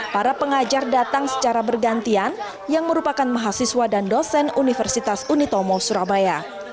para pengajar datang secara bergantian yang merupakan mahasiswa dan dosen universitas unitomo surabaya